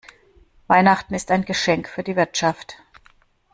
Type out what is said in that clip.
Weihnachten ist ein Geschenk für die Wirtschaft.